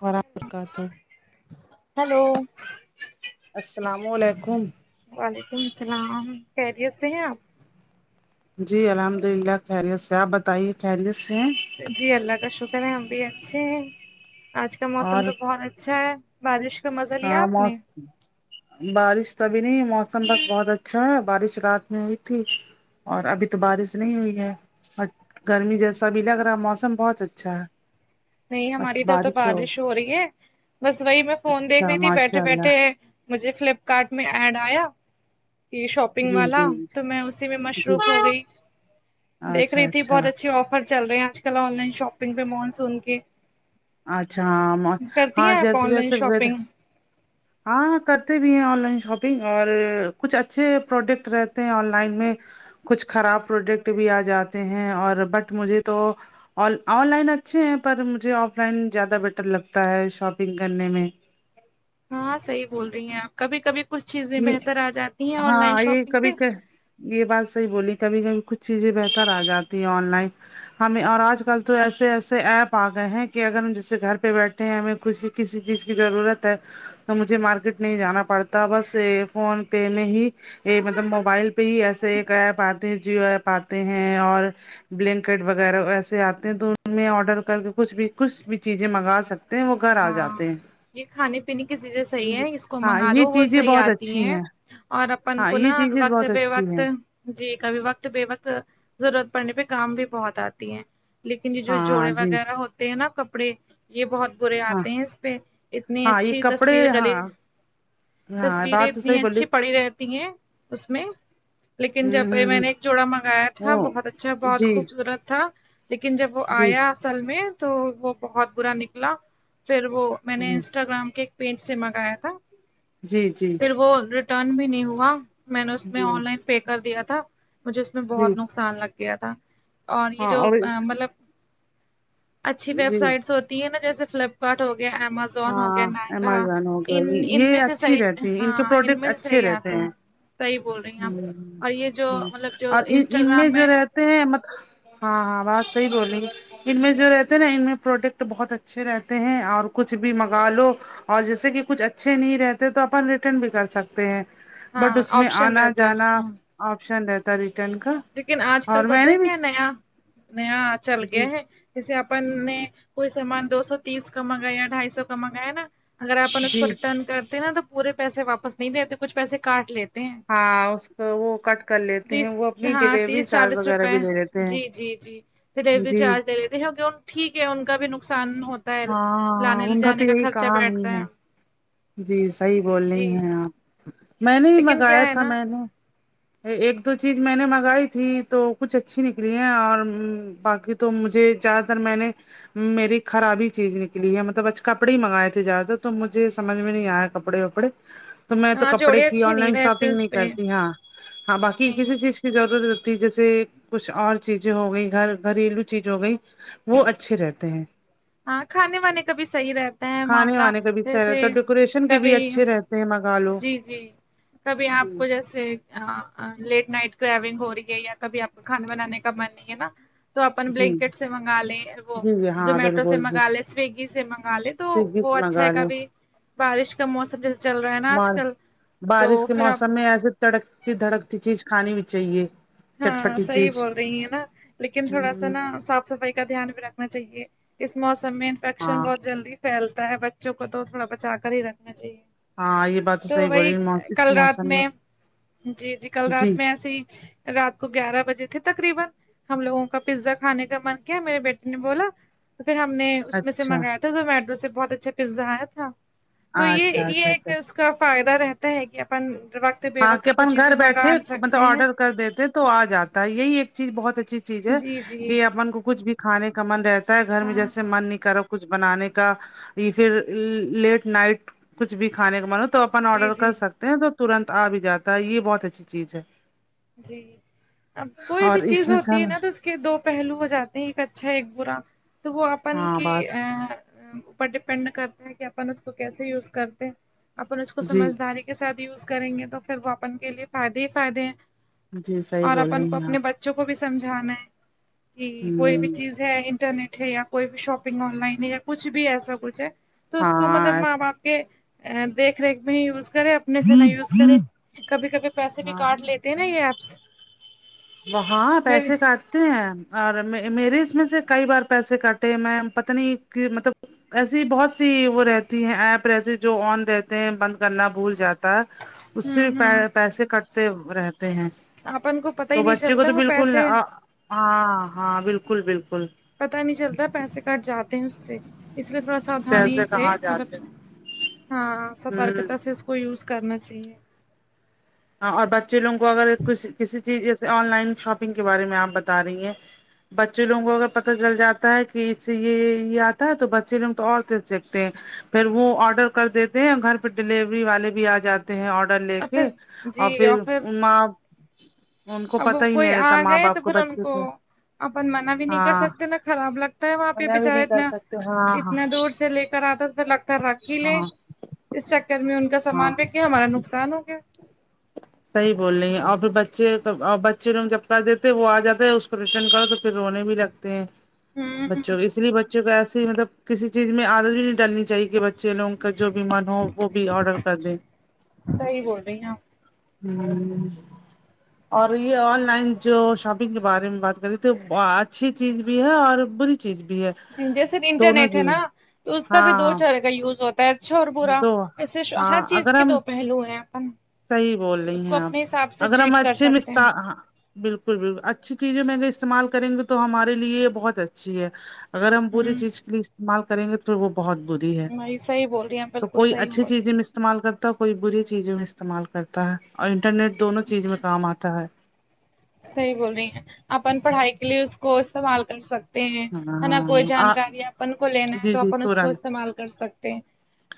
برابر کا تو ہیلو السلام علیکم وعلیکم السلام خریت سے ہیں آپ جی الحمد للہ خیریت سے آپ بتائیے خیریت سے ہیں جی اللہ کا شکر ہے ہم بھی اچھے ہیں آج کا موسم اور تو بہت اچھا ہے بارش کا مزہ لیا ہاں آپ نے بارش تبھی نہیں موسم بس بہت اچھا ہے بارش رات میں ہوئی تھی اور ابھی تو بارش نہیں ہوئی ہے گرمی جیسا ابھی لگ رہا موسم بہت اچھا ہے نہیں ہماری ادھر تو بارش ہو رہی ہے بس وہی میں فون دیکھ اچھا رہی تھی بیٹھے ماشاء اللہ بیٹھے مجھے فلپکارٹ میں ایڈ آیا یہ شاپنگ جی والا جی تو میں اسی میں جی مصروف ہو گئی دیکھ اچھا رہی تھی اچھا بہت اچھے آفر چل رہے ہیں آج کل آن لائن شاپنگ پہ مانسون کے اچھا ہاں کرتی ہاں ہیں آپ جیسے آن لائن ویسے شاپنگ ہاں کرتے بھی ہیں آن لائن شاپنگ اور کچھ اچھے پروڈکٹ رہتے ہیں آن لائن میں کچھ خراب پروڈکٹ بھی آ جاتے ہیں اور بٹ مجھے تو آن لائن اچھے ہیں پر مجھے آف لائن زیادہ بیٹر لگتا ہے شاپنگ کرنے میں ہاں صحیح بول رہی ہیں آپ کبھی کبھی کچھ چیزیں یہ بہتر آ جاتی ہیں آن لائن ہاں یہ شاپنگ پہ کبھی کہ یہ بات صحیح بولی کبھی کبھی کچھ چیزیں بہتر آ جاتی ہیں آن لائن ہمیں اور آج کل تو ایسے ایسے ایپ آ گئے ہیں کہ اگر ہم جسے گھر پہ بیٹھے ہمیں کھ کسی چیز کی ضرورت ہے تو مجھے مارکیٹ نہیں جانا پڑتا بس سے فون پے میں ہی یہ مطلب موبائل پہ ہی ایسے ایک ایپ آتے جیو ایپ آتے ہیں اور بلینکٹ وغیرہ ویسے آتے ہیں تو آڈر کر کے کچھ بھی کچھ بھی چیزیں منگا سکتے ہیں وہ گھر آ ہاں جاتے ہیں یہ کھانے پینے کی چیزیں صحیح ہے اس کو ہاں منگا لو یہ وہ چیزیں صحیح بہت آتی اچھی ہیں اور اپن ہاں کو یہ نا چیزیں وقت بہت بے اچھی ہیں وقت جی کبھی وقت بے وقت ضرورت پڑنے پہ کام بھی بہت آتی ہیں لیکن یہ جو ہاں جوڑے جی وغیرہ ہوتے ہیں نا کپڑے یہ بہت برے ہاں آتے ہیں اس پہ اتنی ہاں یہ اچھی کپڑے تصویر ہاں ڈلی ہاں تصویریں بات تو اتنی صحیح بولی اچھی پڑی رہتی ہیں اس میں لیکن ہوں جب ہوں میں ہ نے ایک جوڑا منگایا تھا وہ بہت اچھا بہت جی خوبصورت تھا لیکن جب وہ جی آیا اصل میں تو وہ بہت برا نکلا پھر وہ میں نے جی انسٹاگرام کے ایک پیج سے منگایا تھا جی جی پھر وہ ریٹرن بھی نہیں ہوا میں نے اس میں جی آن لائن پے کر دیا تھا مجھے اس میں جی بہت نقصان لگ گیا تھا اور یہ جو مطلب اچھی ویب جی سائٹس ہوتی ہیں نا جیسے فلپکارٹ ہو گیا امازون سون ہو گیا ہاں نائکا ایمیزون ہو گیا ان ان میں یہ سے اچھی صحیح رہتی ہے ہاں کے ان پروڈکٹ میں سے اچھے صحیح رہتے آتے ہیں صحیح بول رہی ہیں ہ ہم ہ اور یہ جو مطلب جو اور ان انسٹاگرام میں جو رہتے ہیں ہاں ہاں بات صحیح بولیں گی ان میں جو رہتے ہیں نا ان میں پروڈکٹ بہت اچھے رہتے ہیں اور کچھ بھی منگا لو اور جیسے کہ کچھ اچھے نہیں رہتے تو اپن ریٹرن بھی کر سکتے ہیں بٹ ہاں اس میں آپشن آنا رہتا ہے اس جانا کا آپشن رہتا ریٹرن کا لیکن آج اور کل میں پت ہے نے بھی کیا نیا نیا چل گیا جی ہے جیسے اپن نے کوئی سامان دو سو تیس کا منگایا یا ڈھائی سو کا منگایا ہے نا اگر آن اس کو جی ریٹرن کرتے نا تو پورے پیسے واپس نہیں لیتے کچھ پیسے کاٹ لیتے ہیں ہاں اس کو وہ کٹ کر لیتے ہیں تیس وہ اپنی ہاں ڈلیوری تیس چارج چالیس وغیرہ روپئے بھی لے لیتے جی ہیں جی جی ڈیلیوری جی چارج لیتے ہیں کہ ٹھیک ہے ان کا بھی نقصان ہوتا ہے ہاں لانے لے ان کا تو جانے یہی خرچہ کام ہی بیٹھتا ہے جی صحیح بولنی جی ہیں آپ میں نے بھی لیکن منگایا کیا ہے تھا نا میں نے ایک دو چیز میں نے منگائی تھی تو کچھ اچھی نکلی ہیں اور باقی تو مجھے زیادہ تر میں نے میری خرابی چیز نکلی ہے مطلب ا کپڑے ہی منگائے تھے زیادہ تو مجھے سج میں نہیں آیا کپڑے وپڑے تو میں تو ہاں کپڑے جوڑے کی اچھے آن نہیں لائن رہتے شاپنگ اس نہیں پہ کرتی ہاں ہاں باقی نہیں کسی چیز کی ضرورت ہوتی جیسے کچھ اور چیزیں ہو گئی گھر گھریلو چیز ہو گئی وہ اچھے رہتے ہیں ہاں کھانے وانے کا بھی صحیح رہتا کھانے معاملہ وانے کا بھی صحیح جیسے رہتا ہے ڈیکوریشن کے بھی کبھی اچھے رہتے ہیں منگا لو جی جی کبھی جی آپ کو جیسے لیٹ نائٹ گ ہو رہی ہے یا کبھی آپ کو کھانا بنانے کا من نہیں ہے نا تو اپن جی بلینکیٹ سے منگا لیں وہ جی جی ہاں زومیٹو ٹو سے بالکل بالکل منگا لے سویگی سے مگا لے تو سویگی وہ سے اچھا ہے منگا لے کبھی بارش کا موسم ج بارش کے پھر آپ موسم میں ایسے تڑکتی دھڑکتی چیز کھانی بھی چاہیے ہاں چٹپٹی صحیح چیز بول رہی ہیں نا لیکن تھوڑا سا نا ہوں صاف صفائی کا دھیان بھی رکھنا چاہیے اس موسم میں انفیکشن ہاں بہت جلدی پھیلتا ہے بچوں کو تو تھوڑا بچا کر ہی رکھنا چاہیے ہاں یہ بات تو صحیح وہی بولی اس کل رات موسم میں جی جی کل رات میں ایسی [unintelligible] تو پھر ہم نے اس میں سے اچھا منگایا تھا زومیٹو سے بہت اچھا پیزا آیا تھا تو یہ اچھا یہ اچھا ایک اچھا اس کا فائدہ رہتا ہے کہ اپن بے ہاں وقت کہ کو اپن چیزیں گھر منگا بیٹھے مطلب سکتے ہیں آڈر کر دیتے تو آ جاتا ہے یہی ایک چیز بہت اچھی چیز ہے جی جی کہ اپن کو کچھ بھی کھانے کا من رہتا ہے گھر میں ہاں جیسے ہاں من نکارک کچھ بنانے کا یہ پھر لیٹ نائٹ کچھ بھی کھانے کا من تو اپن جی آرڈر کر جی سکتے ہیں تو ترنت آ بھی جاتا ہے یہ بہت اچھی چیز ہے جی اب کوئی اور بھی اس چیز میں ہوتی ہے سب نا تو کہ دو پہلو ہو جاتے ہیں ایک اچھا ایک برا تو وہ اپن ہاں کی بات اوپر ڈپینڈ کرتا ہے کہ اپن اس کو کیسے یوز کرتے ہیں اپن اس کو جی سمجھداری کے سھ یوز کریں گے تو پھر وہ اپن کے لیے فائدے ہی فائدے ہیں جی صحیح اور بول اپن کو رہی ہیں اپنے آپ بچوں کو بھی سمجھانا ہے کہ کوئی بھی ہ چیز انٹرنیٹ ہے یا کوئی بھی شاپنگ آن لائن یا کچھ بھی ایسا کچھ ہے تو اس کو ہاں مطلب ماں ایسے باپ کے دیکھ ریکھ میں ہی یوز کرے میں سے نہ یوز کرے کبھی کبھی پیسے بھی ہاں کاڈ لیتے ہیں نا یہ ایپس وہ ہاں میرے پیسے کاٹ ہیں اور میرے اس میں سے کئی بار پیسے کاٹے میں پتا نہیں کہ مطلب ایسی بہت سی وہ رہتی ہیں ایپ رہتی جو آن رہتے ہیں بند کرنا بھول جاتے اس ہوں سے ہوں بھی پیسے کٹتے رہتے ہیں اپن خ [unintelligible] تو بچے کو تو بالکل ہاں ہاں بالکل بالکل پتاہ نہیں چلتا پیسے کٹ جاتے اس سے اس لیے تھوڑا سا ساھانی پیسے سے کہاں مطلب جاتے ہاں ہوں سترکتا سے اس کو یوز کرنا چاہیے اور بچے لوگ کو اگر ک کسی چیز جیسے آن لائن شاپنگ کے بارے میں آپ بتا رہی ہیں بچے لوگوں کو اگر پتا چل جاتا ہے کہ اس سے یہ یہ آتا ہے تو بچے لوگ تو عور سے سیکھتے ہیں پھر وہ آرڈر کر دیتے ہیں گھر پہ ڈیلیوری والے بھی آ جاتے ہیں آرڈر لے اور کے پھر جی اور پھر ان ماں ان کو اب وہ پتا ہی کوئی نہیں آ رہتا ماں گئے باپ تو کو پھر ان بچے سے اپن منع بھی نہیں کر سکتے نا خراب لگتا ہے وہاں پہ منع بھی بچارا نہیں کر اتنا سکتے ہاں ہاں اتنا دور سے لے کر آتا لگتا رکھ ہی لیں ہاں اس چکر میں ان کا ہاں سامان پیک کے ہمارا نقصان ہو گیا صحیح بول رہی ہیں اور پھر بچے اور بچے لوگ جب کر دیتے وہ آ جاتے ہے پریشن کرو تو پھر رونے بھی لگتے ہیں ہوں بچوں کو اس لیے بچوں کو ایسی مطلب کسی چیز میں عادت بھی نہیں ڈالنی چاہیے کہ بچے لوگ کو کا جو بھی من ہو وہ بھی آرڈر کر دے صحیح بول رہی ہیںپ [unintelligible] ہوں [unintelligible] ہاں [inaudible] اور یہ آن لائن جو شاپنگ کے بارے میں بات کری ت اچھی چیز بھی ہے اور بری چیز بھی ہے جی جیسے دونوں انٹرنیٹ ہے چیز نا تو اس کا ہاں بھی دو ہاں طرح کا یوز ہوتا ہے چور با تو وسے ہر ہاں چیز اگر کے ہم دو پہلو ہیں اپ ن صحیح بول رہی ہیں آپ اگر ہم کر اچھے سکتے ہیں مستار بالکل بالکل اچھی چیزیں میںگر استعمال کریں گے تو ہمارے لیے یہ بہت اچھی ہے اگر ہم بری ہوں چیز لیے استعمال کریں گے تو وہ بہت بھ ہے بھائی صحیح بول رہی ہیں تو بالکل کوئی صحیح اچھی بول رہی چیزیں ہیں م استعمال کرتا کوئی بری چیزوں میں استعمال کرتا ہے اور انٹرنیٹ دونوں چیز میں کام آتا ہے صحیح بول رہی ہیں اپپن پڑھائی کے لیے اس کو استعمال کر سکتے س ہیں نا کوئی ہاں جانکاری اپن کو لینا ہے جی تو جی اپن اس کو تورنت استعمال کر سکتے ہیں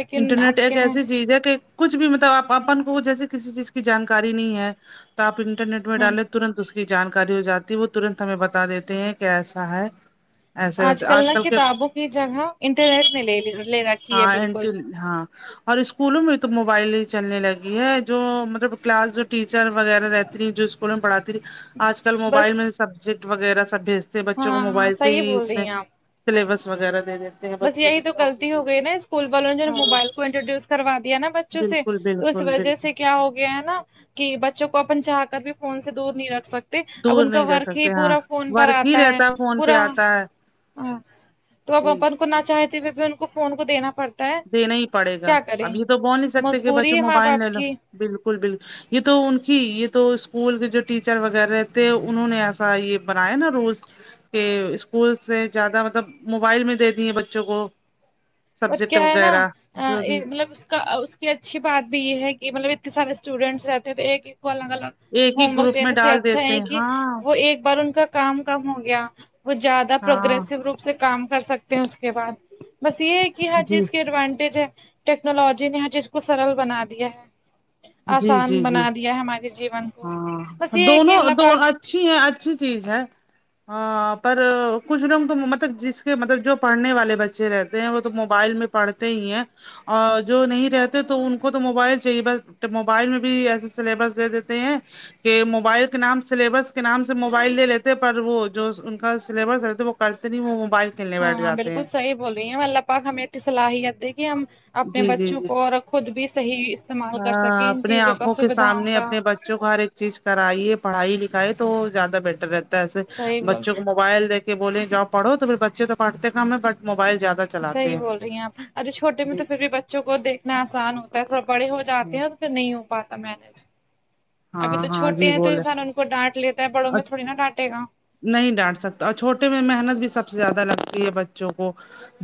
لیکن انٹرنیٹ اب ایک کیا ایسی چیز ہے کہ کچھ بھی مطلب آ اپن کو جیسے کسی چیز کی جانکاری نہیں ہے تو آپ انٹرنیٹ میں ہوں ڈالیں ترنت اس کے کی جانکاری ہو جاتی ہے وہ ترنت ہمیں بتا دیتے ہیں کیسا ہے ایسے آج ویسے کل نا کے کتابوں کی جگہ انٹرنیٹ نے لے لے رہا ہاں اٹ ہاں [unintelligible] اور اسکولوں میں تو موبائل ہی چلنے لگی ہے جو مطلب کلاس جو ٹیچر وغیرہ رہتی جو اسکول پڑھاتی تی آج کل بس موبائل میں سبجیکٹ وغیرہ سب بھیج سے بچوں کو ہاں ہاں موبائل سے صحیح ہی بول اس رہی میں ہیں آپ سلیبس وغیرہ دے دیتے ہیں بس بچوں یہی تو کوھ غلطی ہو گئے نکول والوں انہ نے موبائل کو انٹوڈیوس کرا دیا نا بچوں سے بالکل تو اس بالکل وجہ بالکل سے کیا ہو گیا ہے نا کہ بچوں کو اپن چاہ کر بھی فون سے دور نہیں رکھ سکتے اب دور ان کا نہیں رہ ورک ہی سکتے ہاں پورا فون پر ورک ہی آتا ہے رہتا فون پہ پورا آتا ہے تو ا جی اپا ان کو نہ چاہتے پھر ان کو فون کو دینا پڑتا ہے دینا ہی پڑے گا کیا کریں اب یہ تو بول نہیں سکتے کہ مجبوری بچوں ہے ماں موبائل لے باپ لو کی بالکل بالکل یہ تو ان کی یہ تو اسکول کے جو ٹیچر وغیرہ تھے انہوں نے ایسا یہ بنایا نا روز کہ اسکول سے زیادہ مطلب موبائل میں دے دی ہیں بچوں کو اور سبجیکٹ ہے نا وغیرہ جو بھی مطلب اس کا اس کہ اچھی بات بھی یہ ہے کہ مطلب اتنے سارے اسٹوڈینٹس رہتے ہیں تو ایک ایک کو الگ الگ ایک ہی ہوم ورک گروپ میں دینے سے ڈال اچھا دیتے ہے ہیں کہ ہاں وہ ایک بار ان کا کام کم ہو گیا وہ زیادہ ہاں پروگریسو روپ سے کام کر سکتے ہیں اس کے بعد بس یہ ہے کہ ہر جی چیز کے ایڈوانٹیج ہے ٹیکنالوجی نے ہر چیز کو سرل بنا دیا ہے جی آسان جی بنا جی دیا ہے ہمارے جیون کو بس ہاں یہ ہے کہ دونوں اللہ دو پاک اچھی ہے اچھی چیز ہے ہاں پر کچھ لوگ تو مطلب جس کے مطلب جو پڑھنے والے بچے رہتے ہیں وہ تو موبائل میں پڑھتے ہی ہیں اور جو نہیں رہتے تو ان کو تو موبائل چاہیے بس تو موبائل میں بھی ایسے سلیبس دے دیتے ہیں کہ موبائل کے نام سلیبس کے نام سے موبائل لے لیتے پر وہ جو ان کا سلیبس رہ وہ کرتے نہیں وہ موبائل کھیلنے ہاں بیٹھ ہاں جاتے بالکل ہیں صحیح بول رہی ہیں اللہ پاک ہمیں صلاحیت ہے کہ ہم اپنے جی جی بچوں جی کو اور خود بھی صحیح استعمال کر ہاں سکیں ان اپنے چیزوں کا آنکھوں کے سویدھاؤں سامنے کا اپنے بچ بچوں کو ہر ایک چیز کرائیے پڑھائی لکھائی تو زیادہ بیٹر رہتا ہے ایسے صحیح بول بچوں کو موبائل دے کے بولے جاب پڑھ تو پھر بچے تو پڑھتے کام ہے بٹ موبائل زیادہ صحیح بول رہی ہیں آپ ارے چھوٹے میں جی تو پھر بھی بچوں کو دیکھنا آسان ہوتا ہے تھوڑا بڑے ہو جی جاتے ہیں پ نہیں ہو پاتا مینج ابھی ہاں تو ہاں چھوٹے جی ہیں تو بولے انسان ان کو ڈانٹ لیتا ہے بڑوں میں تھوڑی نا ڈانٹے گا نہیں ڈانٹ سکتا اور چھوٹے میں محنت بھی سب سے زیادہ لگتی ہے بچوں کو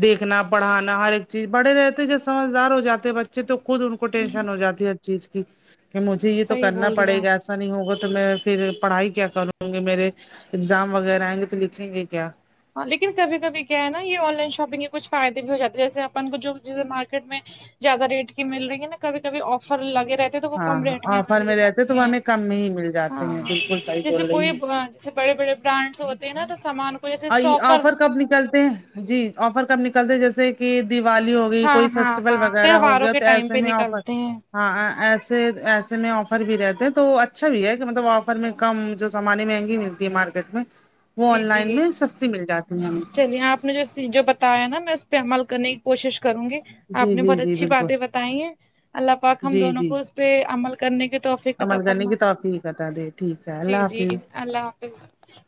دیکھنا پڑھانا ہر ایک چیز بڑے رہتے جب سمجھدار ہو جاتے بچے تو خود ان کو ٹینشن ہو جاتی ہر چیز کی کہ مجھے یہ تو صحیح کرنا بول رہی ہیں پڑے آپ گا ایسا نہیں ہوگا تو میں پھر پڑھائی کیا کروں گی میرے اگزام وغیرہ آئیں گے تو لکھیں گے کیا ہاں لیکن کبھی کبھی کیا ہے نا یہ آن لائن شاپنگ کے کچھ فائدے بھی ہو جات ہیں جیسے اپن کو جو بھی چیزیں مارکیٹ میں زیادہ ریٹ کی مل رہی ہے نا کبھی کبھی آفر لگے رہتے تو وہ ہاں کم ریٹ ہاں میں ہمیں آفر مل رہتے تو جاتی وہ ہے ہمیں کم میں ہی مل جاتے ہاں ہیں ہاں بالکل صحیح جیسے بول رہی کوئی ہیں بڑے بڑے برانڈس ہوتے ہیںا تو سامان کو ا اسٹاک کر آفر کب نکلتے ہیں جی آفر کب نکلتے جیسے کہ دیوالی ہو گئی ہاں کوئی ہاں فیسٹیول ہاں وغیرہ ہو تہواروں گیا کے تو ٹائم ایسے پہ میں آفر نکلتے ہیں ہاں ایسے ایسے میں آفر بھی رہتے ہیں تو اچھا بھی ہے کہ مطلب آفر میں کم جو سامان مہنگی ملتی ہے مارکیٹ میں وہ آن لائن میں سستی مل جاتی ہیں ہمیں چلی آپ نے جو جو بتایا ہے نا میں اس پہ عمل کرنے کی کوشش کروں گی آ جی نے جی بہت جی اچھی بالکل باتیں اللہ پاک ہم جی دونوں جی کو اس پہ عمل کرنے کی توفیقتہ عمل کرنے فرما کی توفیق عطا دے ٹھیک ہے جی اللہ جی حافظ اللہ حافظ ہ [unintelligible]